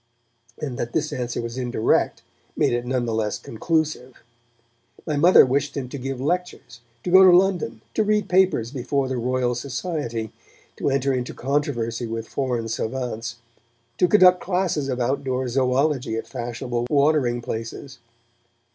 and that this answer was indirect made it none the less conclusive. My mother wished him to give lectures, to go to London, to read papers before the Royal Society, to enter into controversy with foreign savants, to conduct classes of outdoor zoology at fashionable watering places.